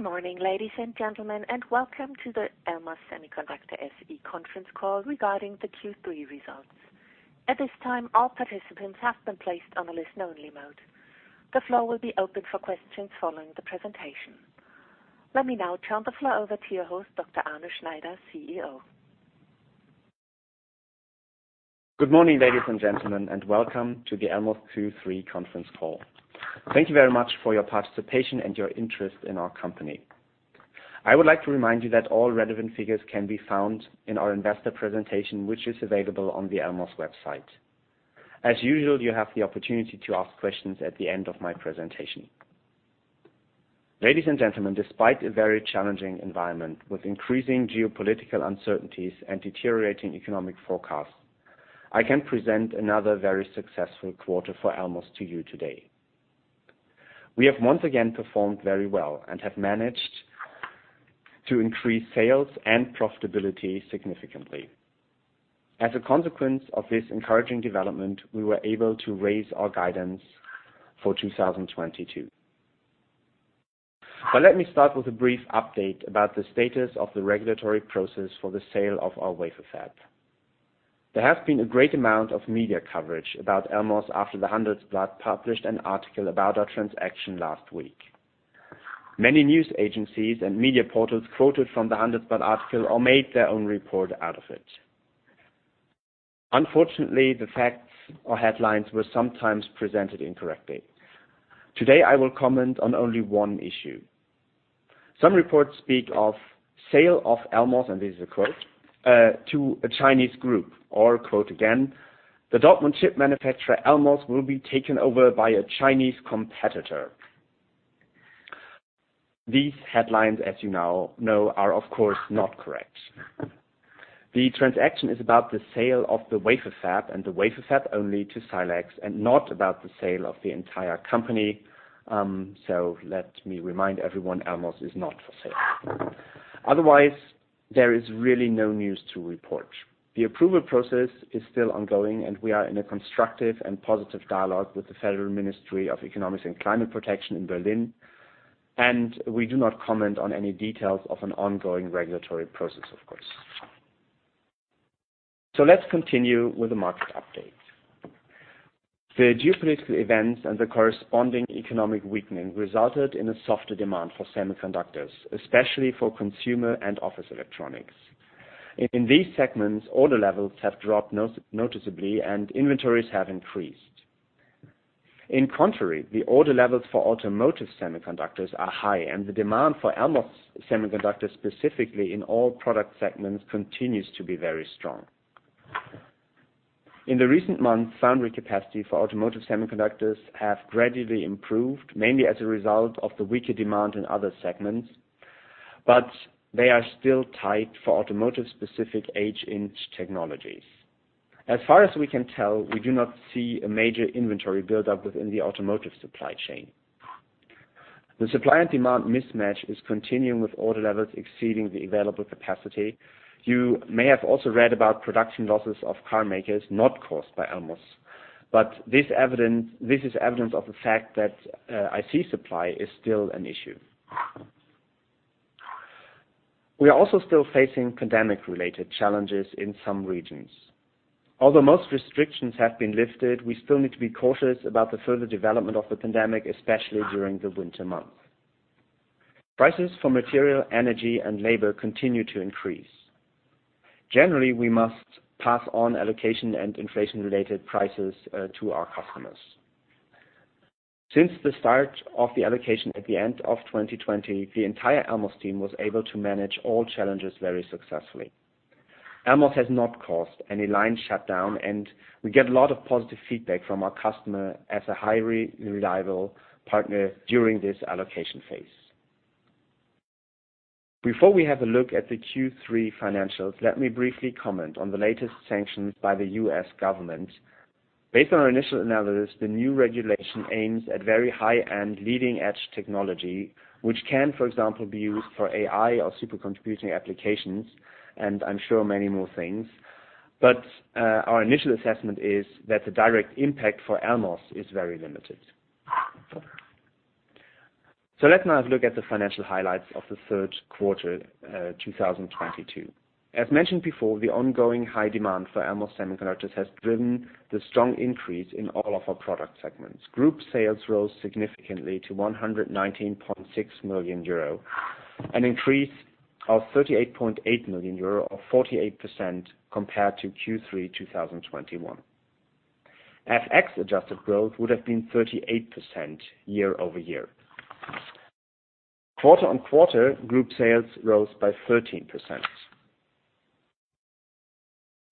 Good morning, ladies and gentlemen, and welcome to the Elmos Semiconductor SE conference call regarding the Q3 results. At this time, all participants have been placed on a listen only mode. The floor will be open for questions following the presentation. Let me now turn the floor over to your host, Dr. Arne Schneider, CEO. Good morning, ladies and gentlemen, and welcome to the Elmos Q3 conference call. Thank you very much for your participation and your interest in our company. I would like to remind you that all relevant figures can be found in our investor presentation, which is available on the Elmos website. As usual, you have the opportunity to ask questions at the end of my presentation. Ladies and gentlemen, despite a very challenging environment with increasing geopolitical uncertainties and deteriorating economic forecasts, I can present another very successful quarter for Elmos to you today. We have once again performed very well and have managed to increase sales and profitability significantly. As a consequence of this encouraging development, we were able to raise our guidance for 2022. Let me start with a brief update about the status of the regulatory process for the sale of our wafer fab. There has been a great amount of media coverage about Elmos after the Handelsblatt published an article about our transaction last week. Many news agencies and media portals quoted from the Handelsblatt article or made their own report out of it. Unfortunately, the facts or headlines were sometimes presented incorrectly. Today, I will comment on only one issue. Some reports speak of sale of Elmos, and this is a quote, to a Chinese group or quote again, "The Dortmund chip manufacturer, Elmos, will be taken over by a Chinese competitor." These headlines, as you now know, are of course, not correct. The transaction is about the sale of the wafer fab and the wafer fab only to Silex, and not about the sale of the entire company. Let me remind everyone, Elmos is not for sale. Otherwise, there is really no news to report. The approval process is still ongoing, and we are in a constructive and positive dialogue with the Federal Ministry for Economic Affairs and Climate Action in Berlin, and we do not comment on any details of an ongoing regulatory process, of course. Let's continue with the market update. The geopolitical events and the corresponding economic weakening resulted in a softer demand for semiconductors, especially for consumer and office electronics. In these segments, order levels have dropped noticeably, and inventories have increased. In contrast, the order levels for automotive semiconductors are high, and the demand for Elmos semiconductors, specifically in all product segments, continues to be very strong. In the recent months, foundry capacity for automotive semiconductors have gradually improved, mainly as a result of the weaker demand in other segments, but they are still tight for automotive specific 8-inch technologies. As far as we can tell, we do not see a major inventory build up within the automotive supply chain. The supply and demand mismatch is continuing with order levels exceeding the available capacity. You may have also read about production losses of car makers not caused by Elmos, but this is evidence of the fact that IC supply is still an issue. We are also still facing pandemic related challenges in some regions. Although most restrictions have been lifted, we still need to be cautious about the further development of the pandemic, especially during the winter months. Prices for material, energy and labor continue to increase. Generally, we must pass on allocation and inflation related prices to our customers. Since the start of the allocation at the end of 2020, the entire Elmos team was able to manage all challenges very successfully. Elmos has not caused any line shutdown, and we get a lot of positive feedback from our customer as a highly reliable partner during this allocation phase. Before we have a look at the Q3 financials, let me briefly comment on the latest sanctions by the U.S. government. Based on our initial analysis, the new regulation aims at very high-end leading-edge technology, which can, for example, be used for AI or supercomputing applications, and I'm sure many more things. Our initial assessment is that the direct impact for Elmos is very limited. Let's now look at the financial highlights of the third quarter, 2022. As mentioned before, the ongoing high demand for Elmos semiconductors has driven the strong increase in all of our product segments. Group sales rose significantly to 119.6 million euro. An increase of 38.8 million euro or 48% compared to Q3 2021. FX adjusted growth would have been 38% year-over-year. Quarter-on-quarter, group sales rose by 13%.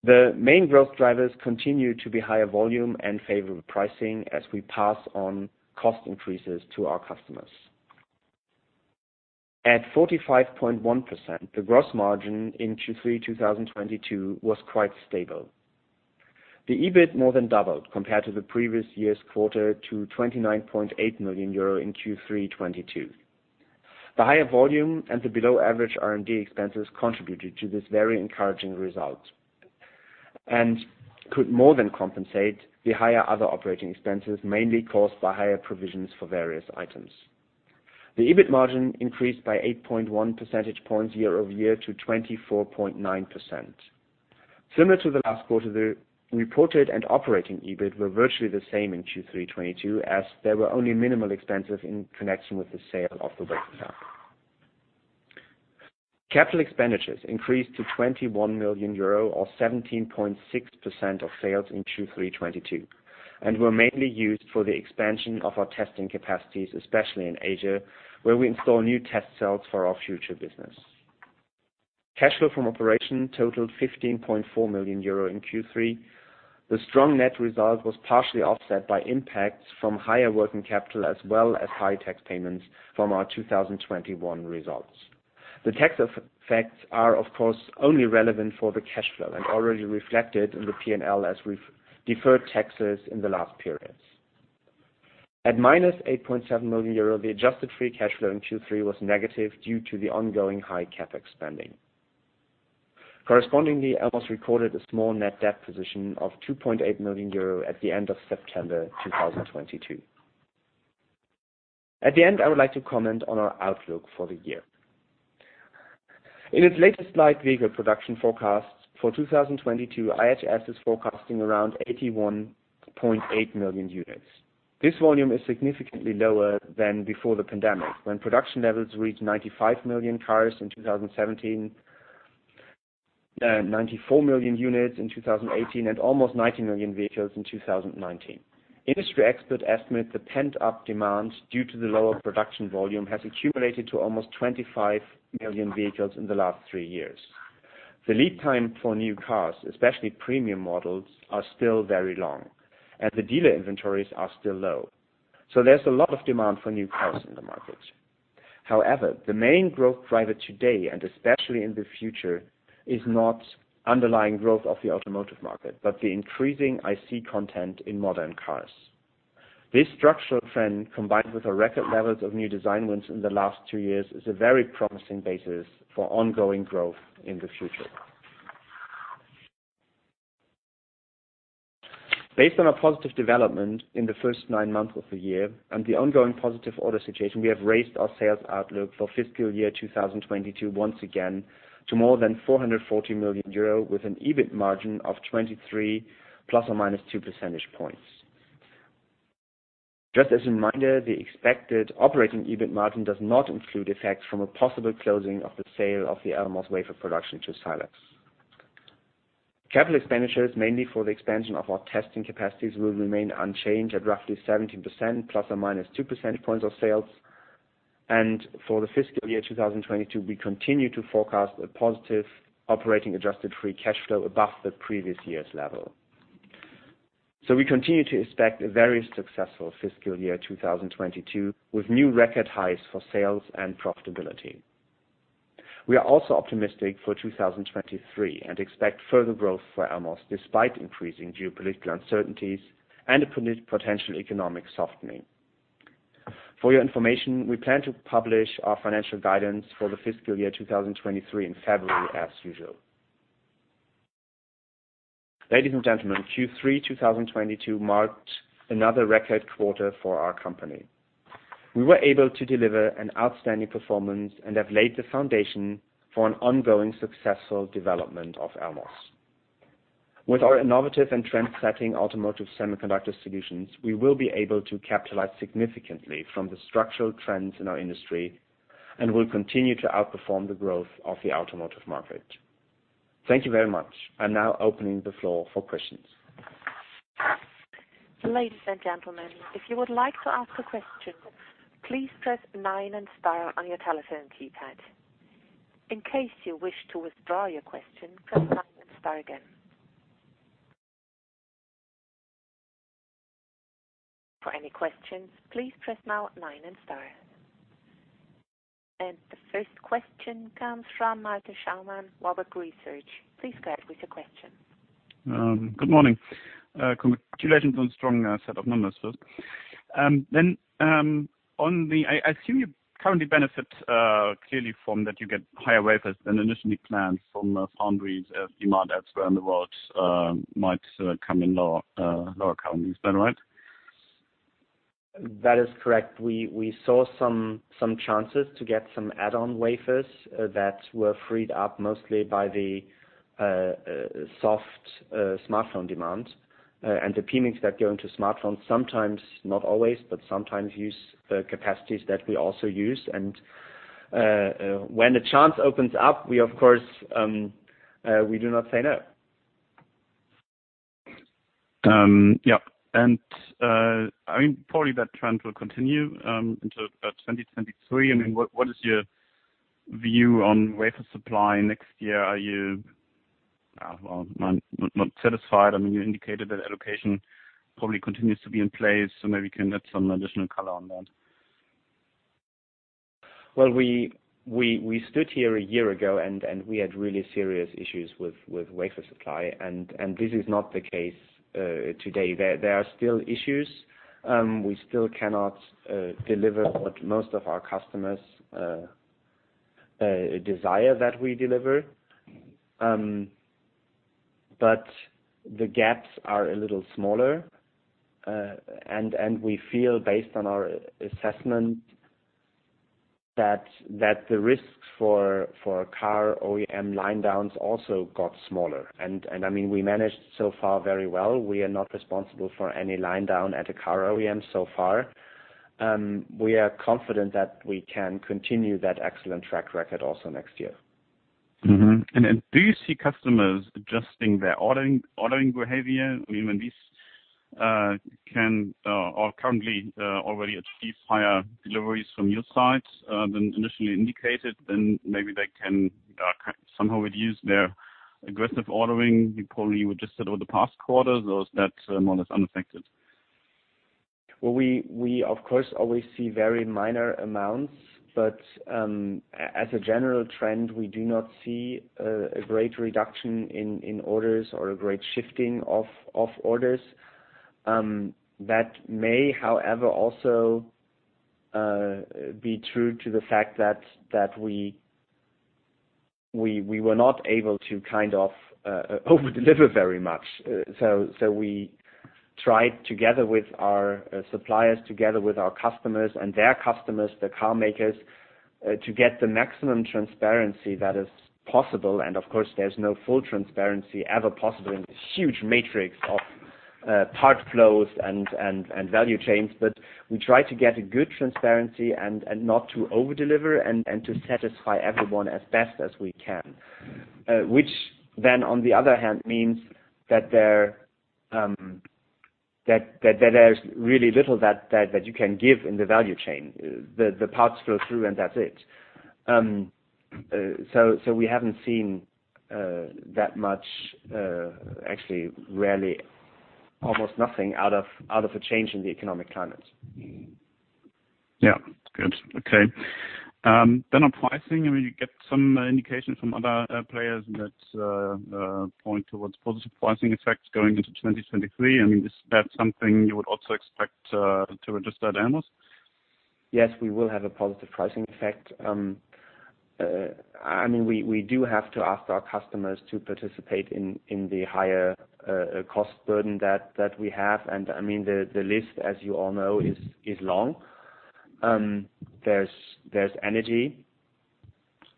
The main growth drivers continue to be higher volume and favorable pricing as we pass on cost increases to our customers. At 45.1%, the gross margin in Q3 2022 was quite stable. The EBIT more than doubled compared to the previous year's quarter to 29.8 million euro in Q3 2022. The higher volume and the below average R&D expenses contributed to this very encouraging result. Could more than compensate the higher other operating expenses, mainly caused by higher provisions for various items. The EBIT margin increased by 8.1 percentage points year-over-year to 24.9%. Similar to the last quarter, the reported and operating EBIT were virtually the same in Q3 2022, as there were only minimal expenses in connection with the sale of the wafer fab. Capital expenditures increased to 21 million euro or 17.6% of sales in Q3 2022, and were mainly used for the expansion of our testing capacities, especially in Asia, where we install new test cells for our future business. Cash flow from operations totaled 15.4 million euro in Q3. The strong net result was partially offset by impacts from higher working capital, as well as high tax payments from our 2021 results. The tax effects are of course only relevant for the cash flow and already reflected in the P&L as we've deferred taxes in the last periods. At -8.7 million euro, the adjusted free cash flow in Q3 was negative due to the ongoing high CapEx spending. Correspondingly, Elmos recorded a small net debt position of 2.8 million euro at the end of September 2022. At the end, I would like to comment on our outlook for the year. In its latest light vehicle production forecast for 2022, IHS is forecasting around 81.8 million units. This volume is significantly lower than before the pandemic, when production levels reached 95 million cars in 2017, 94 million units in 2018, and almost 90 million vehicles in 2019. Industry experts estimate the pent-up demand due to the lower production volume has accumulated to almost 25 million vehicles in the last three years. The lead time for new cars, especially premium models, are still very long, and the dealer inventories are still low. There's a lot of demand for new cars in the market. However, the main growth driver today, and especially in the future, is not underlying growth of the automotive market, but the increasing IC content in modern cars. This structural trend, combined with a record levels of new design wins in the last two years, is a very promising basis for ongoing growth in the future. Based on a positive development in the first nine months of the year and the ongoing positive order situation, we have raised our sales outlook for fiscal year 2022 once again to more than 440 million euro, with an EBIT margin of 23 ± 2 percentage points. Just as a reminder, the expected operating EBIT margin does not include effects from a possible closing of the sale of the Elmos wafer production to Silex. Capital expenditures, mainly for the expansion of our testing capacities, will remain unchanged at roughly 17% ±2 percentage points of sales. For the fiscal year 2022, we continue to forecast a positive operating adjusted free cash flow above the previous year's level. We continue to expect a very successful fiscal year 2022, with new record highs for sales and profitability. We are also optimistic for 2023 and expect further growth for Elmos, despite increasing geopolitical uncertainties and a potential economic softening. For your information, we plan to publish our financial guidance for the fiscal year 2023 in February as usual. Ladies and gentlemen, Q3 2022 marked another record quarter for our company. We were able to deliver an outstanding performance and have laid the foundation for an ongoing successful development of Elmos. With our innovative and trendsetting automotive semiconductor solutions, we will be able to capitalize significantly from the structural trends in our industry and will continue to outperform the growth of the automotive market. Thank you very much. I'm now opening the floor for questions. Ladies and gentlemen, if you would like to ask a question, please press nine and star on your telephone keypad. In case you wish to withdraw your question, press nine and star again. For any questions, please press now nine and star. The first question comes from Malte Schaumann, Warburg Research. Please go ahead with your question. Good morning. Congratulations on strong set of numbers first. I assume you currently benefit clearly from that you get higher wafers than initially planned from foundries, demand elsewhere in the world might come in lower count. Is that right? That is correct. We saw some chances to get some add-on wafers that were freed up mostly by the soft smartphone demand. The PMICs that go into smartphones sometimes, not always, but sometimes use capacities that we also use. When a chance opens up, we of course do not say no. Yeah. I mean, probably that trend will continue until about 2023. I mean, what is your view on wafer supply next year? Are you, well, not satisfied? I mean, you indicated that allocation probably continues to be in place, so maybe you can add some additional color on that. Well, we stood here a year ago and we had really serious issues with wafer supply and this is not the case today. There are still issues. We still cannot deliver what most of our customers desire that we deliver. The gaps are a little smaller. We feel based on our assessment that the risks for car OEM line downs also got smaller. I mean, we managed so far very well. We are not responsible for any line down at a car OEM so far. We are confident that we can continue that excellent track record also next year. Do you see customers adjusting their ordering behavior? I mean, when they currently already achieve higher deliveries from your side than initially indicated, then maybe they can somehow reduce their aggressive ordering you probably saw just over the past quarters or is that more or less unaffected? Well, we of course always see very minor amounts, but as a general trend, we do not see a great reduction in orders or a great shifting of orders. That may, however, also be true to the fact that we were not able to kind of over-deliver very much. We tried together with our suppliers, together with our customers and their customers, the car makers, to get the maximum transparency that is possible. Of course, there's no full transparency ever possible in this huge matrix of part flows and value chains. We try to get a good transparency and not to over-deliver and to satisfy everyone as best as we can which then on the other hand means that there that there's really little that you can give in the value chain. The parts flow through and that's it. We haven't seen that much, actually rarely, almost nothing out of a change in the economic climate. Yeah. Good. Okay. On pricing, I mean, you get some indication from other players that point towards positive pricing effects going into 2023. I mean, is that something you would also expect to register at Elmos? Yes, we will have a positive pricing effect. I mean, we do have to ask our customers to participate in the higher cost burden that we have. I mean, the list, as you all know, is long. There's energy.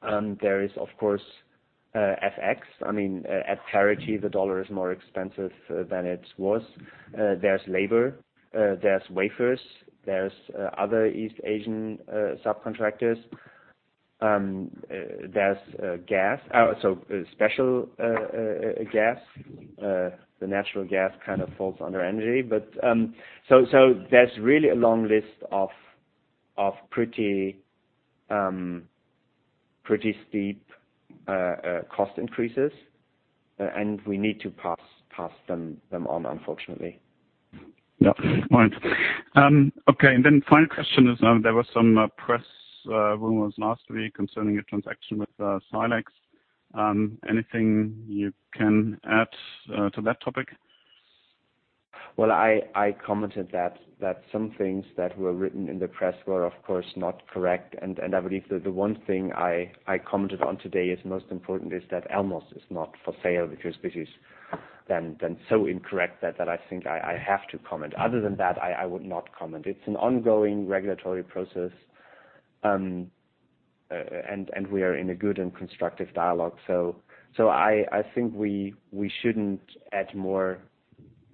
There is of course FX. I mean, at parity, the dollar is more expensive than it was. There's labor, there's wafers, there's other East Asian subcontractors. There's gas. Special gas. The natural gas kind of falls under energy. So there's really a long list of pretty steep cost increases. We need to pass them on, unfortunately. Yeah. All right. Okay. Final question is, there was some press rumors last week concerning a transaction with Silex. Anything you can add to that topic? Well, I commented that some things that were written in the press were of course not correct. I believe that the one thing I commented on today is most important is that Elmos is not for sale because this is then so incorrect that I think I have to comment. Other than that, I would not comment. It's an ongoing regulatory process, and we are in a good and constructive dialogue. I think we shouldn't add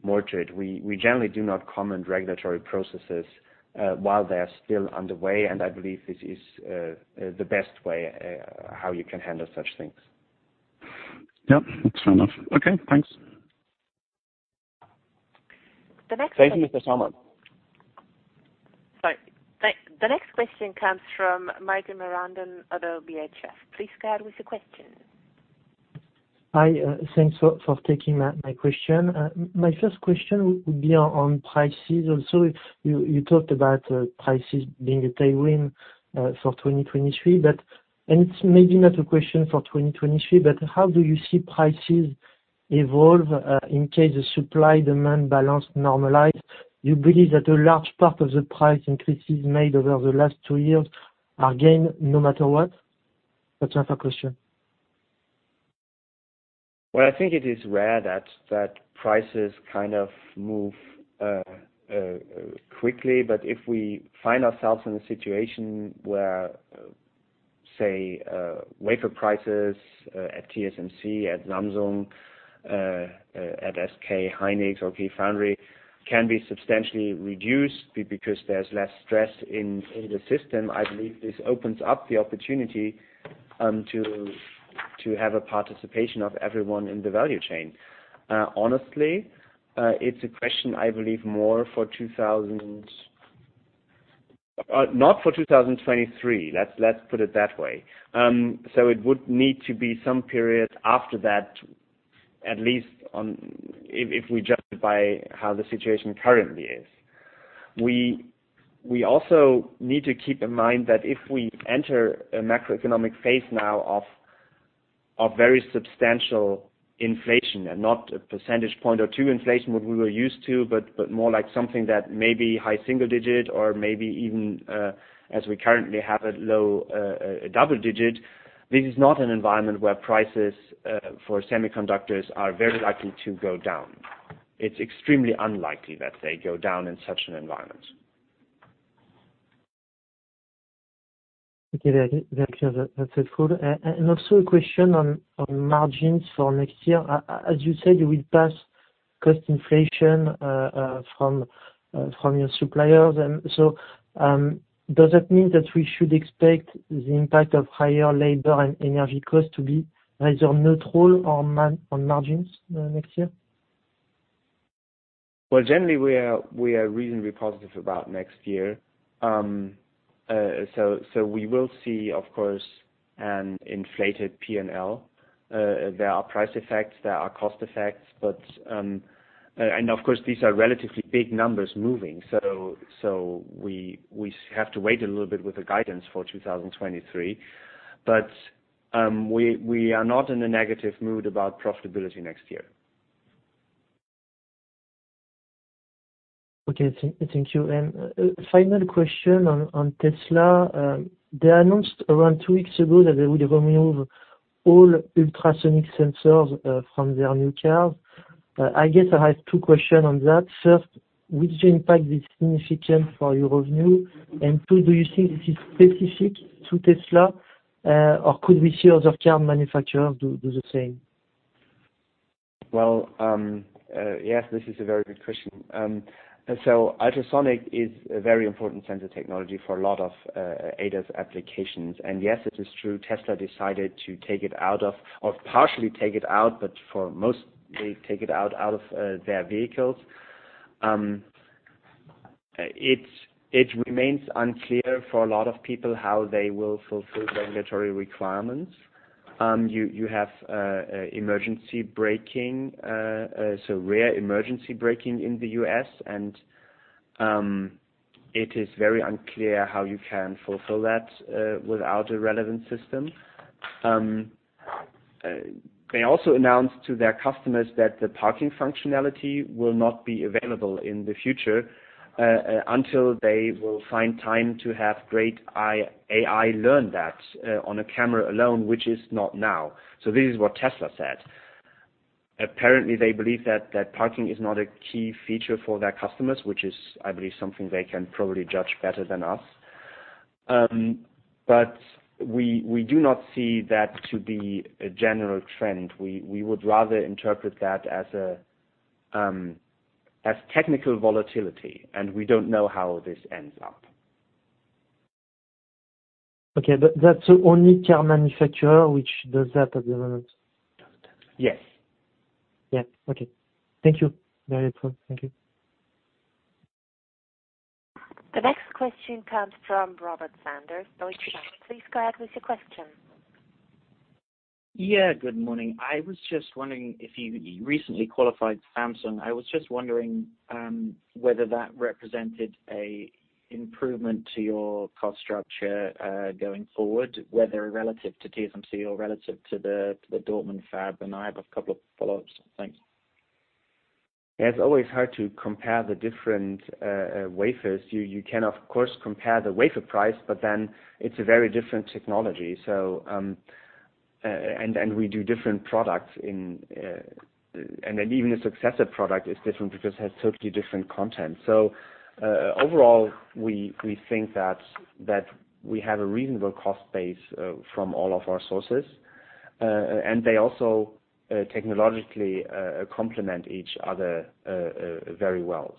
more to it. We generally do not comment regulatory processes while they're still underway, and I believe this is the best way how you can handle such things. Yep. That's fair enough. Okay, thanks. Thank you, Malte Schaumann. Sorry. The next question comes from Michael Morand at ODDO BHF. Please go ahead with the question. Hi. Thanks for taking my question. My first question would be on prices. Also, you talked about prices being a tailwind for 2023. It's maybe not a question for 2023, but how do you see prices evolve in case the supply-demand balance normalize? You believe that a large part of the price increases made over the last two years are gained no matter what? That's my first question. Well, I think it is rare that prices kind of move quickly. If we find ourselves in a situation where, say, wafer prices at TSMC, at Samsung, at SK hynix or Key Foundry can be substantially reduced because there's less stress in the system. I believe this opens up the opportunity to have a participation of everyone in the value chain. Honestly, it's a question I believe not for 2023. Let's put it that way. It would need to be some period after that, at least. If we judge it by how the situation currently is. We also need to keep in mind that if we enter a macroeconomic phase now of very substantial inflation and not a percentage point or two inflation what we were used to, but more like something that may be high single digit or maybe even, as we currently have a low double digit. This is not an environment where prices for semiconductors are very likely to go down. It's extremely unlikely that they go down in such an environment. Okay. That's clear. That's helpful. Also a question on margins for next year. As you said, you will pass cost inflation from your suppliers. Does that mean that we should expect the impact of higher labor and energy costs to be either on neutral or on margins next year? Well, generally, we are reasonably positive about next year. We will see, of course, an inflated P&L. There are price effects, there are cost effects. Of course, these are relatively big numbers moving. We have to wait a little bit with the guidance for 2023. We are not in a negative mood about profitability next year. Thank you. Final question on Tesla. They announced around two weeks ago that they would remove all ultrasonic sensors from their new cars. I guess I have two questions on that. First, would the impact be significant for your revenue? Two, do you think this is specific to Tesla, or could we see other car manufacturers do the same? Well, yes, this is a very good question. Ultrasonic is a very important sensor technology for a lot of ADAS applications. Yes, it is true Tesla decided to take it out of, or partially take it out, but mostly take it out of their vehicles. It remains unclear for a lot of people how they will fulfill regulatory requirements. You have emergency braking, rear emergency braking in the U.S. and it is very unclear how you can fulfill that without a relevant system. They also announced to their customers that the parking functionality will not be available in the future until they will find time to have great AI learn that on a camera alone, which is not now. This is what Tesla said. Apparently, they believe that parking is not a key feature for their customers, which is, I believe, something they can probably judge better than us. We do not see that to be a general trend. We would rather interpret that as technical volatility, and we don't know how this ends up. Okay, that's the only car manufacturer which does that at the moment? Yes. Yeah. Okay. Thank you. Very helpful. Thank you. The next question comes from Robert Sanders, Deutsche Bank. Please go ahead with your question. Good morning. I was just wondering if you recently qualified Samsung. I was just wondering whether that represented an improvement to your cost structure, going forward, whether relative to TSMC or relative to the Dortmund fab. I have a couple of follow-ups. Thanks. It's always hard to compare the different wafers. You can of course compare the wafer price, but then it's a very different technology. We do different products in. Then even the successor product is different because it has totally different content. Overall, we think that we have a reasonable cost base from all of our sources. They also technologically complement each other very well.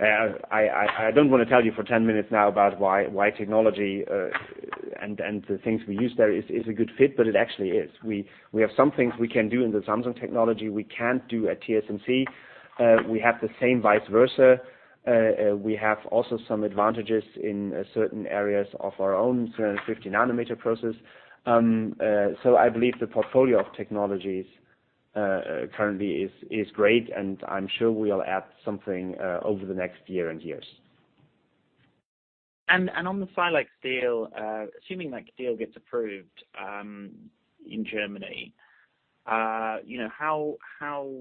I don't wanna tell you for 10 minutes now about why technology and the things we use there is a good fit, but it actually is. We have some things we can do in the Samsung technology we can't do at TSMC. We have the same vice versa. We have also some advantages in certain areas of our own 350 nm process. I believe the portfolio of technologies currently is great, and I'm sure we'll add something over the next year and years. On the Silex deal, assuming that deal gets approved in Germany, how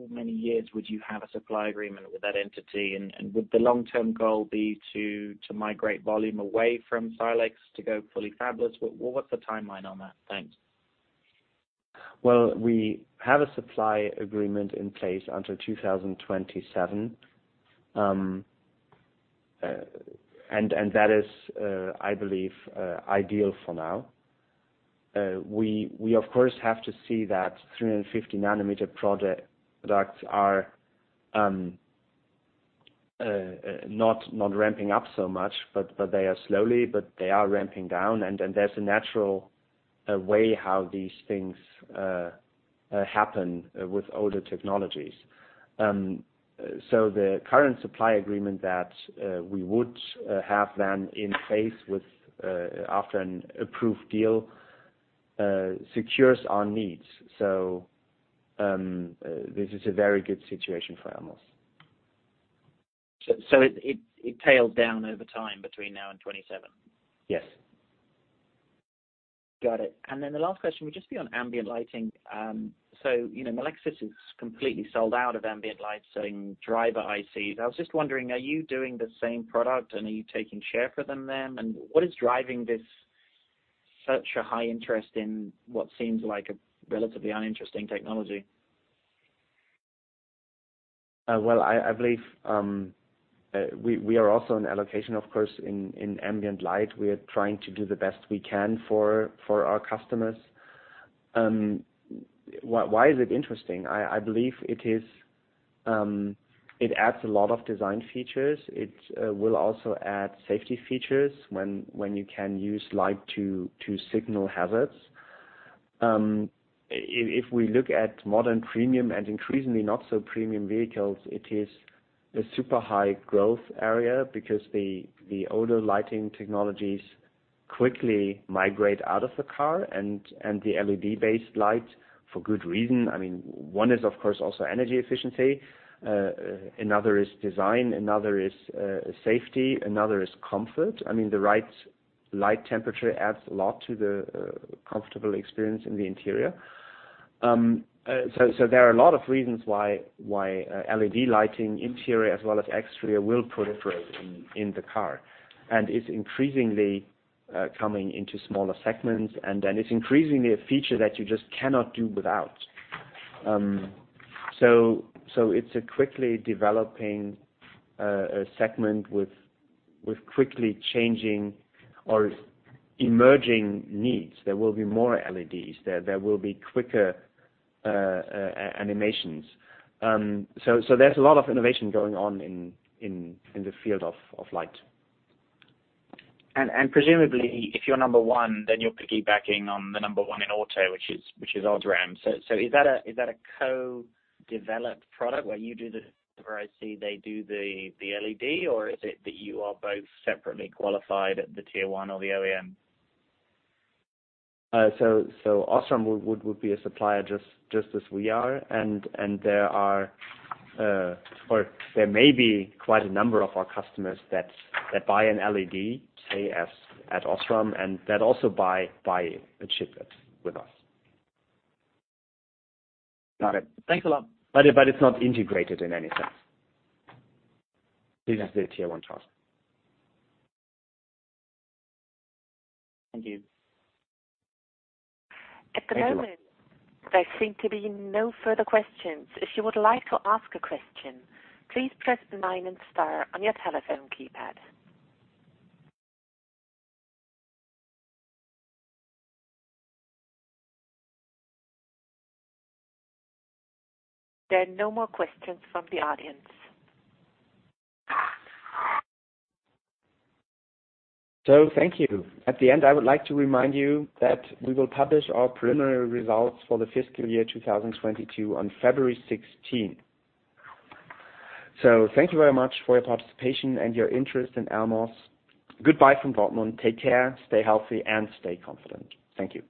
many years would you have a supply agreement with that entity? Would the long-term goal be to migrate volume away from Silex to go fully fabless? What's the timeline on that? Thanks. Well, we have a supply agreement in place until 2027. That is, I believe, ideal for now. We, of course, have to see that 350 nm products are not ramping up so much, but they are slowly ramping down. There's a natural way how these things happen with older technologies. The current supply agreement that we would have then in place with, after an approved deal, secures our needs. This is a very good situation for Elmos. It tails down over time between now and 27? Yes. Got it. Then the last question would just be on ambient lighting. Melexis is completely sold out of ambient light, selling driver ICs. I was just wondering, are you doing the same product, and are you taking share for them then? What is driving this such a high interest in what seems like a relatively uninteresting technology? Well, I believe we are also in allocation, of course, in ambient light. We are trying to do the best we can for our customers. Why is it interesting? I believe it is. It adds a lot of design features. It will also add safety features when you can use light to signal hazards. If we look at modern premium and increasingly not so premium vehicles, it is a super high growth area because the older lighting technologies quickly migrate out of the car and the LED-based light for good reason. I mean, one is, of course, also energy efficiency. Another is design, another is safety, another is comfort. I mean, the right light temperature adds a lot to the comfortable experience in the interior. There are a lot of reasons why LED lighting interior as well as exterior will proliferate in the car. It's increasingly coming into smaller segments, and then it's increasingly a feature that you just cannot do without. It's a quickly developing segment with quickly changing or emerging needs. There will be more LEDs. There will be quicker animations. There's a lot of innovation going on in the field of light. Presumably, if you're number one, then you're piggybacking on the number one in auto, which is Osram. Is that a co-developed product where you do the driver IC, they do the LED, or is it that you are both separately qualified at the tier one or the OEM? Osram would be a supplier just as we are. There may be quite a number of our customers that buy an LED, say, at Osram, and that also buy a chiplet with us. Got it. Thanks a lot. It's not integrated in any sense. It leaves it to your own task. Thank you. Thank you. At the moment, there seem to be no further questions. If you would like to ask a question, please press nine and star on your telephone keypad. There are no more questions from the audience. Thank you. At the end, I would like to remind you that we will publish our preliminary results for the fiscal year 2022 on February 16th. Thank you very much for your participation and your interest in Elmos. Goodbye from Dortmund. Take care, stay healthy, and stay confident. Thank you.